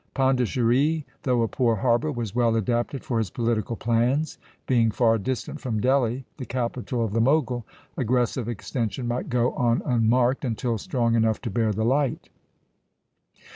Pondicherry, though a poor harbor, was well adapted for his political plans; being far distant from Delhi, the capital of the Mogul, aggressive extension might go on unmarked, until strong enough to bear the light.